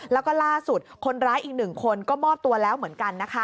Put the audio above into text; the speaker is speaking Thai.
แล้วก็ล่าสุดคนร้ายอีกหนึ่งคนก็มอบตัวแล้วเหมือนกันนะคะ